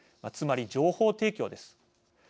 つまり情報提供です。